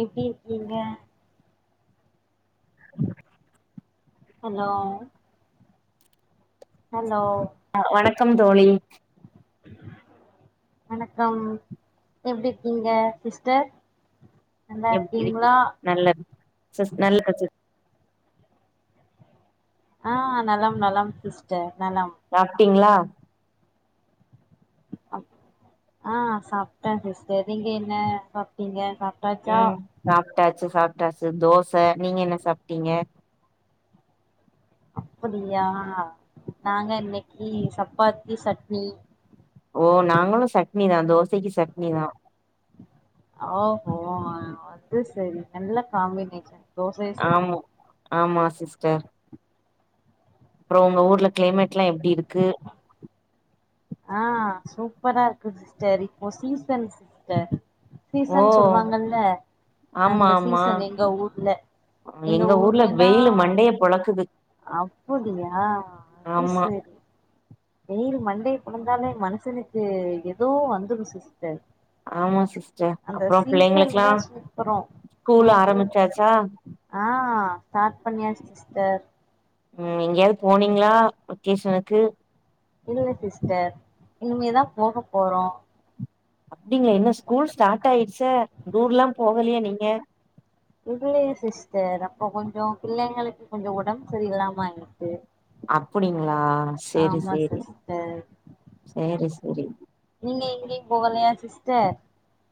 எப்டி இருக்கீங்க? [unintelligible] Hello hello அ வணக்கம் தோழி வணக்கம் எப்டி இருக்கீங்க சிஸ்டர்? நல்லா எப்டி இருக்கி இருக்கீங்களா? நல்லது சிஸ் நல்ல [unintelligible] ஆ நலம் நலம் சிஸ்டர் நலம் ட்டீங்களா அ ஆ சாப்ட்டே சிஸ்டர் நீங்க என்ன சாப்ட்டீங்க சாப் ம் சாப் ட்டாச்சு சாப்ட்டாச்சு தோச நீங்க என்ன சாப்ட்டீங்க? அப்படியா? நாங்க இன்னக்கி சப்பாத்தி சட்னி ஓ நாங்களு சட்னிதா தோசைக்கி சட்னிதா ஓஹோ அது சரி நல்ல காம்பினேஷன் தோசை சட்னி ஆமா ஆமா சிஸ்டர். அப்றோ உங்க ஊர்ல கிளைமேட்லா எப்டி இருக்கு? ஆ சூப்பரா இருக்கு சிஸ்டர். இப்போ சீசன் சிஸ்டர் ஓ சீசன் சொல்வாங்கல்ல ஆமா அந்த ஆமா சீசன் எங்க ஊர்ல. எங்க ஊர்ல ஊர்லன்னா வெயிலு மண்டைய பொளக்குது அப்புடியா அது ஆமா சேரி வெயிலு மண்டய பொழந்தாலே மனுஷனுக்கு ஏதோ வந்துரு சிஸ்டர் ஆமா சிஸ்டர். அந்த அப்றோ சீசன் பிள்ளைங்களுக்கெல்லா தா சூப்பரோ ஸ்கூலு அப்றோ ஆரம்பிச்சாச்சா? ஆ ஸ்டார்ட் பண்ணியாச்சு சிஸ்டர் உம் எங்கேயாவது போனீங்ளா வெக்கேஷனுக்கு இல்ல சிஸ்டர் இனிமேதா போகப் போறோ அப்டிங்ளா இன்னு ஸ்கூல் ஸ்டார்ட் ஆயிடுச்சா டுர்லா போகலையா நீங்க இல்லீங்க சிஸ்டர் அப்போ கொஞ்சோ பிள்ளைங்களுக்கு கொஞ்சோ ஒடம்பு சரியில்லாமா ஆயிடுச்சு அப்டிங்ளா சேரி சேரி சிஸ்டர் சேரி சேரி போகலயா சிஸ்டர்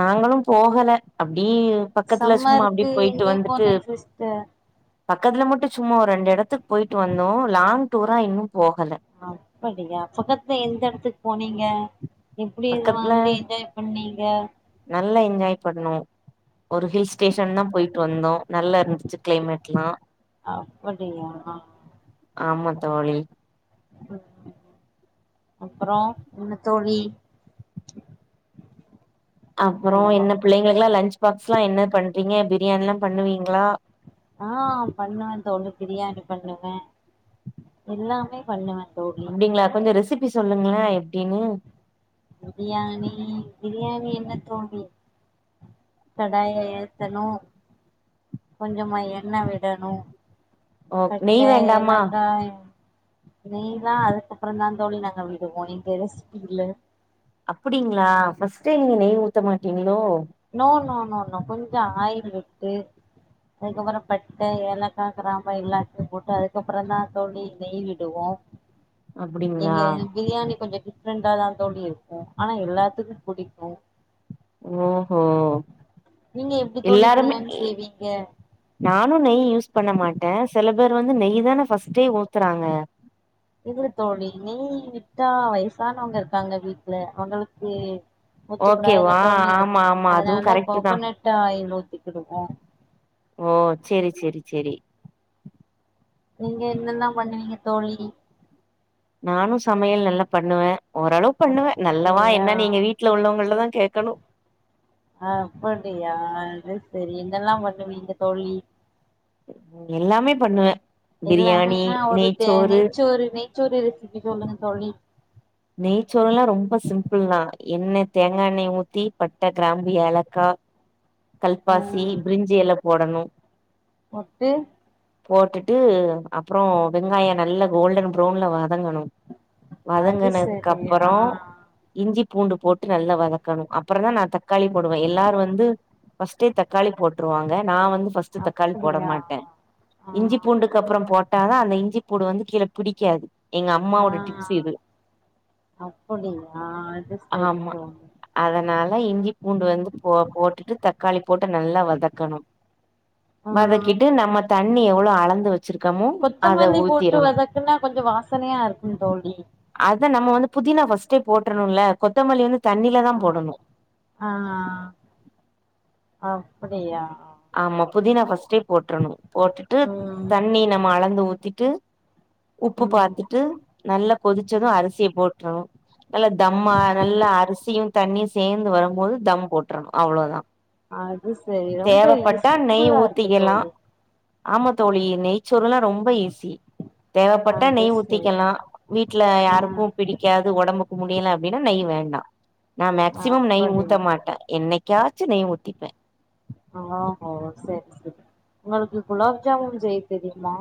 நாங்களும் போகல அப்ப உம் பக்கத்ல சும்மா அப்டி சம்மருக்கு போயிட்டு எங்கேயு வந்துட்டு போலயா சிஸ்டர் பக்கத்ல மட்டு சும்மா ஒரு ரெண்டு எடத்துக்கு போட்டு வந்தோ லாங் டூரா இன்னும் அப்படியா பக்கத்ல எந்த எடத்துக்கு போனீங்க எப்டி இது பக்கத்ல மாதிரி என்ஜாய் பண்ணீங்க நல்லா என்ஜாய் பண்ணே ஒரு ஹில் ஸ்டேஷன் தா போயிட்டு வந்தோ நல்லா இருந்துச்சு கிளைமேட்ல்லா அப்படியா ஆமா தோழி அப்றோ என்ன தோழி அப்றோ ஹலோ என்ன பிள்ளைங்ளா எல்லா லன்ச் பாக்ஸ் எல்லா என்ன பண்றீங்க எப்டி என்ன பண்ணுவீங்ளா ஆ பண்ணுவே தோழி பிரியாணி பண்ணுவே எல்லாமே பண்ணுவே தோழி அப்டீங்ளா கொஞ்ச ரெஸ்ட் திருப்பி சொல்லுங்களே எப்டின்னு பிரியாணி பிரியாணி என்ன தோழி கடாய ஏத்தணு கொஞ்சமா எண்ணெ விடனு ஓ பட்ட நெய் வேண்டாமா ஏலக்கா நெய் தா அதுக்கப்ற தா தோழி நாங்க விடுவோ இந்த ரெசிப்பில அப்டீங்ளா பஸ்டே நீங்க நெய் ஊத்த மாட்டீங்ளோ நோ நோ நோ நோ கொஞ்ச ஆயில் விட்டு அதுக்கப்றோ பட்ட ஏலக்கா கிராம்பு எல்லாத்தையு போட்டு அதுக்கப்றோ தா தோழி நெய் விடுவோ அப்டிங்களா எங்க பிரியாணி கொஞ்ச ரெண்டா தா தோழி இருக்கு ஆனா எல்லாத்துக்கு புடிக்கும் ஓ ஓ நீங்க எப்டி தோழி எல்லாருமே பிரியாணி செய்வீங்க நானு நெய் யூஸ் பண்ண மாட்டே செல பேர் வந்து நெய் தானே ஃபஸ்ட்டே ஊத்துறாங்க இதுல தோழி நெய் விட்டா வய சானவங்க இருக்காங்க வீட் ல உங்களுக்கு ஊத்தக்கூடாதுல்ல ஓகேவா தோழி ஆமா ஆமா அதுவு அதனால கரெக்ட் தா கோக்கோனட் ஆயில் ஊத்திக்கிடுவோ. செரி நீங்க என்னெல்லா பண்ணுவீங்க தோழி? நானு சமையல் நல்லா பண்ணுவே ஓரளவு பண்ணுவே நல்லாவா அப்டியா என்னன்னு நீங்க வீட்ல உள்ளவங்களதா கேக்கணு செரி என்னல்லா பண்ணுவீங்க தோழி? ம் எல்லாமே பண்ணுவே பிரியாணி எல்லாமேனா ஒரு தே நெய்ச்சோறு நெய்ச்சோறு நெய் ச்சோறு ரெசிபி சொல்லுங்க தோழி. நெய்ச்சோறல்லா ரொம்ப சிம்பிள்தா. என்ன தேங்காய் எண்ணெய ஊத்தி பட்ட, கிராம்பு, ஏலக்கா, கல்பாசி, ப்ரிஞ்சி எல போடணு போட்டு போட்டுட்டு அப்புறோ வெங்காயோ நல்ல கோல்டன் ப்ரௌன்ல வத ங்கனு வதங்கன ரியா இஞ்சி பூண்டு போட்டு நல்லா வதக்கணு. அப்புறந்தா நா தக்காளி போடுவே. எல்லாரு வந்து ஃபஸ்ட்டே தக்காளி போட்ருவாங்க நா வந்து ஃபஸ்ட்டு தக்காளி போட அப்படியா மாட்டே. ஆ இஞ்சி பூண்டுக்கு அப்புறம் போட் டாதா அந்த இஞ்சி பூடு வந்து கீழ பிடிக்காது எங்க அம்மாவோட டிப்ஸ் ஆ இது அப்படியா அது சரி போங்க னால இஞ்சி பூண்டு வந்து போ போட்டுட்டு தக் காளி போட்டு நல்லா வதக்கணு ஆ வதக்கிட்டு நம்ம தண்ணி எவ்ளோ அளந்து வச் கொத்தமல்லி போட்டு வதக்குனா கொஞ்ச வாசனையா இருக்குந் தோழி அதா நம்ம வந்து புதினா ஃபர்ஸ்ட்டே போட்ரணுல்ல கொத்தமல்லி வந்து தண்ணில தா ஆ போடணு அப்பிடியா ஆமா புதினா ஃபர்ஸ்ட்டே போட்ரணு போட்டுட்டு ம் தண்ணி நம்ம அளந்து ஊத் திட்டு உப்பு ம் பாத்துட்டு நல்லா கொதிச்சது அரிசிய போட்டுணும் நல்ல தம்மா நல்ல அரிசியு தண்ணியு சேர்ந்து வரும்போது தம் போட்றணும் அவ்ளோதா அதுஸ் சேரி ரொம்ப தேவப்பட்டா நெய் சிம்புளா இருக்கு ஊத்திக்கலா தோழி ஆமா தோழி நெய்ச்சி சோறுலா ரொம்ப ஈஸி தேவப்பட்ட அது நெய் சரி ஊத்திக்கலா வீட்ல ஆ யாருக்கு பிடிக்காது ஒடம்புக் முடியல அப்பிடின்னா நெய் வேண்டா நா மேக்சிமம் நெய் ஊத்த அப்படியா மாட்டே என்னைக்காச்சு நெய் ஊத்திப்பே ஓ ஓ சேரி சேரி உங்களுக்கு குலாப் ஜாமுன் செய்ய தெரியுமா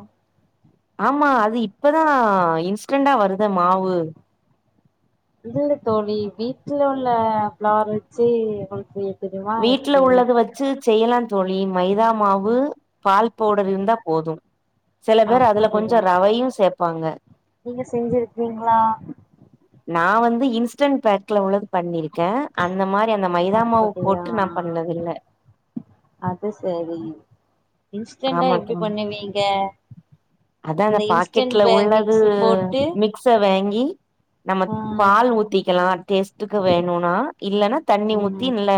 ஆமா அது இப்பதா இன்ஸ்டண்டா வருத மாவு இல்ல தோழி வீட்டுல உள்ள பிளார் வச்சி உங்களுக்கு தெரியுமா வீட்டுல எப்டி உள்ளது வச்சி செய்யலா தோழி மைதா மாவு பால் பவுடர் இருந்தா போது செல பேர் அதுல கொஞ்சோ அப்படியா ரவையு சேப் பாங்க நீங்க செஞ்சிருக்கீங்களா நா வந்து இன்ஸ்டன்ட் பேக்ல உள்ளது பண்ணிருக் கே அந்த மாரி அந்த மைதா மாவு அப்படியா ஒட்டு நா பண்ணது இல்ல அது சரி இன்ஸ்டன்டா ஆமா எப்படி பண்ணுவீங்க அதான் அந்த இன்ஸ்டன்ட் பாக்கெட்ல பே உள்ளது மிக்ஸ் போட்டு மிக்ஸ வெங்கி நம்ம ஆ பால் ஊத்திக்கலா டேஸ்ட்டுக்கு வேணுன்னா இல்லன்னா தண்ணி ஊத்தி ம் இல்ல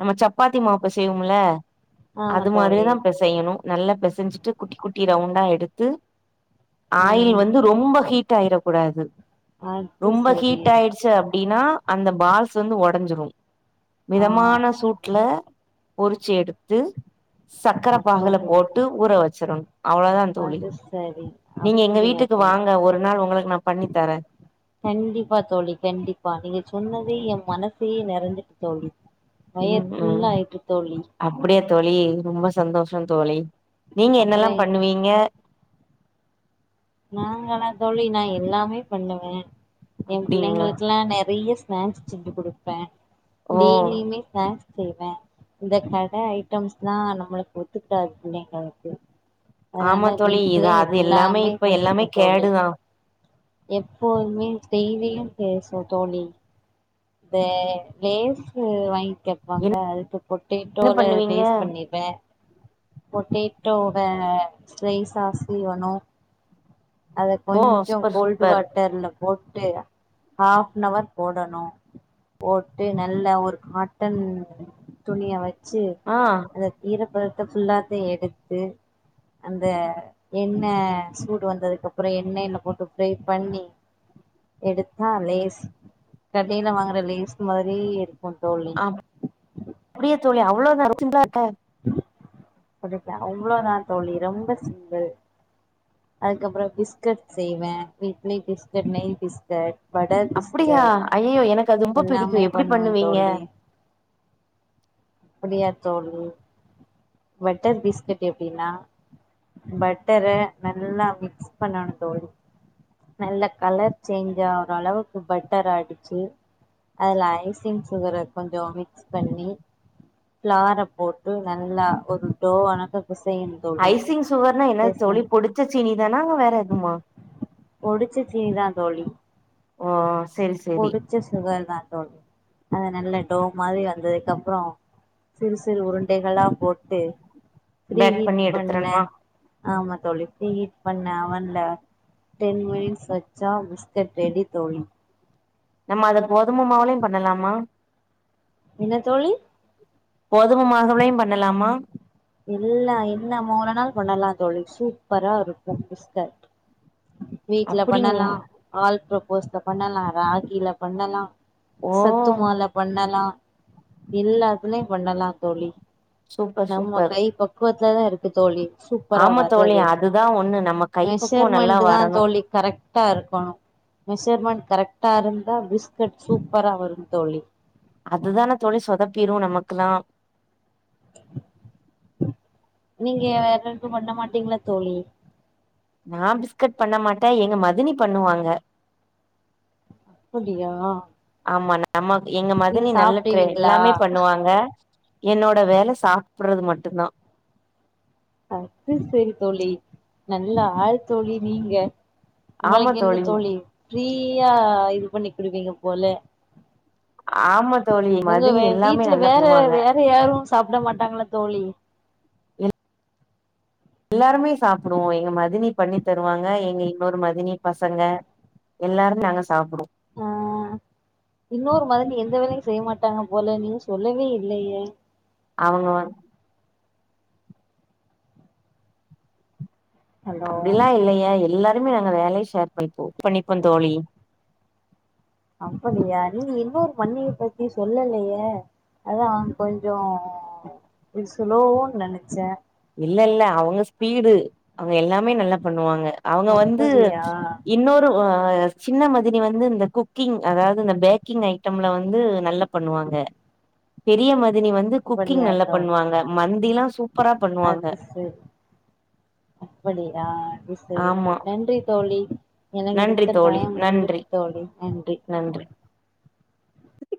நம்ம சப்பாத்தி மாவு பிசைவோம்ல ஆமா அது தோழி மாரியேதா பெசெய்யணு பிசஞ்சுட்டு குட்டி குட்டி ரவுண்டா எடுத்து ஆ ஆயில் வந்து ரொம்ப ஹீட் டாயிரக்கூடாது அது ரொம்ப சரி ஹீட் ஆயிடுச்சு அப்டினா அந்த பால்ஸ் வந்து ஒடஞ்சுரு ஆ மிதமான சூட்ல பொறிச்சி எடுத்து சக்கர பாகுல அப்படி போட்டு ஊற வச்சிரனு அது சரி நீங்க எங்க அப்புடியா வீட்டுக்கு தோழி வாங்க ஒரு நாள் உங்களுக்கு நா பண்ணி தரே கண்டிப்பா தோழி கண்டிப்பா நீங்க சொன்னதே எ மன சே நெறஞ்சிட்டு தோழி வயறு ம் ம் ஃபுல்லாயிட்டு தோழி அப்டியா தோழி ரொம்ப சந்தோஷொ தோழி நீங்க என்னெல்லா அப்புறம் பண்ணுவீங்க நாங்களா தோழி நா எல்லாமே பண்ணுவே எம் அப்டிங்களா பிள்ளைங்களுக்லா நெறைய ஸ்நாக்ஸ் செஞ்சு குடுப்பே ஓ டெய்லியுமே ஸ்நாக்ஸ் செய்வே இந்த கட ஐட்டம்ஸ்லா நம்மளுக்கு ஒத்துக்காது பிள்ளைங்களுக்கு ஆமா அதனால தோழி இது வீட்லே அது எல்லாமே எல்லாமே பண்ணிக்குவே தோழி கேடுதா எப்போதுமே டெய்லியு பேசுவ தோழி இந்த லேசு வாங்கி கேப்பாங்க என்ன அதுக்கு என்ன பொட்டேட்டோல லேஸ் பண்ணுவீங்க பண்ணிருவே பொட்டேட்டோவ ஸ்லைசா சீவனு அத ஓ கொஞ்சொ சூப்பர் கோல்டு சூப்பர் வாட்டர்ல போட்டு ஹாஃப்னவர் போடணு போட்டு நல்லா ஒரு காட்டன் துணிய வச் சு ஆ அந்த ஈரப்பத த்த ஃபுல்லாத்த எடுத்து அந்த எண்ண சூடு வந்ததுக்கப்றொ எண்ணெய்ல போட்டு ஃப்ரை பண்ணி எடுத்தா லேஸ் கடைல‌ வாங்குற லேஸ் மாரி இருக் கு தோழி அப்டியா தோழி அவ்ளதா [inaudible] புஜக்க அவ்ளோதான் தோழி ரொம்ப சிம்பிள் அதுக்கப்புறம் பிஸ்கேட் செய்வேன் வீக்லி பிஸ்கட் நெய் பிஸ்கட் பட்டர் அப்படியா பிஸ்கட் ஐயயோ எனக்கு அது ரொம்ப எல்லாமே பிடிக்கும் எப்படி பண்ணுவே பண்ணுவீங்க தோழி அப்படியா தோழி பட்டர் பிஸ்கேட் எப்டின்னா பட்டர நல்லா மிக்ஸ் பண்ணணும் தோழி நல்லா கலர் சேஞ்ச் ஆகற அளவுக்கு பட்டர் அடிச்சு அதுல ஐசிங் சுகர கொஞ்சம் மிக்ஸ் பண்ணி பிளார போட்டு நல்லா ஒரு டோ வனக்க ஐசிங் சுகர்னா என்னது தோழி பொடிச்ச சீனிதானா வேற எதுமா பொடிச்ச சீனிதான் தோழி ஓ செரி செரி பொடிச்ச சுகர்தா அத நல்லா டோ மாதிரி வந்ததுக்கு அப்புறம் சிறு சிறு உருண்டைகளா போட்டு பேக் ப்ரீஹீட் பண்ணி பண்ணே எடுத்தரனுமா ஆமா தோழி பீரிஹீட் பண்ண அவன்ல டென் மினிட்ஸ் வச்சா பிஸ்கேட் ரெடி தோழி நம்ம அத கோதும மாவுலயும் பண்ணலாமா என்ன தோழி கோதும மாகலயும் பண்ணலாமா இல்ல இல்ல மூணு நாள் பண்ணலாம் தோழி சூப்பரா இருக்கும் பிஸ்கட் வீட்ல அப்டிங்களா பண்ணலாம் ஆள் குள் போஸ்ல பண்ணலாம் ராகில பண்ணலாம் ஓ சத்துமாவுல பண்ணலாம் எல்லாத்துலயும் பண்ணலா தோழி சூப்பர் சூப்பர் பக்குவத்துல தான் இருக்கு தோழி சூப்பரா ஆமா தோழி வறதே அதுதா ஒண்ணு நம்ம கைப்பக்குவோ நல்லா மெஷர்மெண்ட்டு தான் வரணு தோழி கரெட்டா இருக்கணும் மெஷர்மெண்ட் கரெட்டா இருந்தா பிஸ்கேட் சூப்பரா வரும் தோழி அதுதான தோழி சொதப்பிரும் நமக்குலாம் நீங்க வேற எதும் பண்ண மாட்டீங்களா தோழி நான் பிஸ்கேட் பண்ண மாட்டேன் எங்க மதினி பண்ணுவாங்க அப்புடியா ஆமா ந நம்ம எங்க மதனி நல்ல ட எல்லாமே பண்ணுவாங்க என்னோட வேல சாப்படுறது மட்டும்தான் அது சேரி தோழி நல்ல ஆள் தோழி நீங்க உங்களுக்கு என்ன தோழி ஃப்ரீயா இரு பண்ணி குடுப்பீங்க போல ஆமா தோழி உங்க மதினி எல்லாமே வீட்ல நல்லா வேற பண்ணுவாங்க வேற யாரு சாப்ட மாட்டாங்ளா தோழி எல்லாருமே சாப்புடுவோ எங்க மதினி பண்ணி தருவாங்க எங்க இன்னொரு மதினி பசங்க எல்லாருமே நாங்க சாப்புடுவோ ஆ இன்னொரு மதினி எந்த வேலையு செய்ய மாட்டாங்க போல நீங்க சொல்லவே இல்லயே அவங்க வந் ஹலோ அப்டில்லா இல்லயே எல்லா ருமே எங்க வேலைய ஷேர் பண்ணிப்போ பண்ணிப்போ தோழி அப்படியா நீங்க இன்னொரு மன்னிய பத்தி சொல்லலயே அதா அவுங் கொஞ்சோ ஸ்லோவோன் நெனச்சே இல்லல்ல அவுங்க ஸ்பீடு அவுங்க எல்லாமே நல்லா பண்ணுவாங்க அவுங்க வந்து அப்படியா இன்னொரு அ ஆ சின்ன மதினி வந்து இந்த குக்கிங் அதாவ்து இந்த பேக்கிங் ஐட்டம்ல வந்து நல்ல பண்ணுவாங்க பெரிய ம தினி வந்து குக்கிங் அப்படியா நல்லா தோழி பண்ணுவாங்க மந்திலா சூப்பரா பண்ணுவாங்க அது செரி அப்படியா அது செரி ஆமா தோழி நன்றி தோழி எனக்கு நன்றி குடுத்த தோழி டயம் நன்றி முடுஞ்சுட்டு தோழி நன்றி